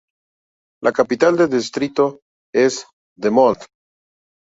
La capital del distrito es Detmold.